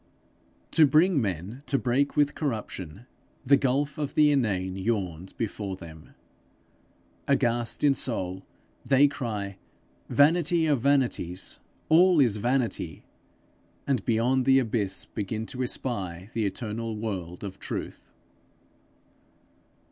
To bring men to break with corruption, the gulf of the inane yawns before them. Aghast in soul, they cry, 'Vanity of vanities! all is vanity!' and beyond the abyss begin to espy the eternal world of truth.